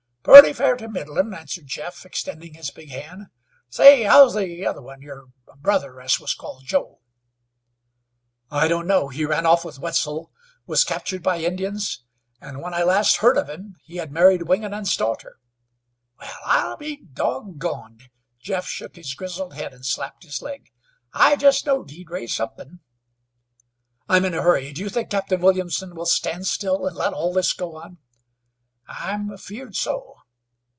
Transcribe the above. "Purty fair to middlin'," answered Jeff, extending his big hand. "Say, how's the other one, your brother as wus called Joe?" "I don't know. He ran off with Wetzel, was captured by Indians, and when I last heard of him he had married Wingenund's daughter." "Wal, I'll be dog goned!" Jeff shook his grizzled head and slapped his leg. "I jest knowed he'd raise somethin'." "I'm in a hurry. Do you think Captain Williamson will stand still and let all this go on?" "I'm afeerd so."